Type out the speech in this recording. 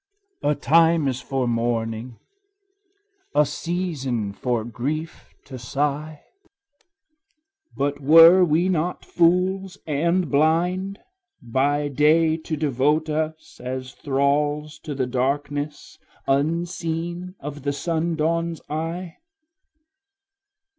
A time is for mourning, a season for grief to sigh; But were we not fools and blind, by day to devote us As thralls to the darkness, unseen of the sundawn's eye?